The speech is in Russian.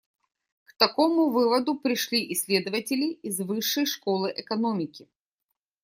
К такому выводу пришли исследователи из Высшей школы экономики.